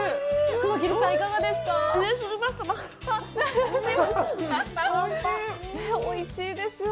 熊切さん、いかがですか。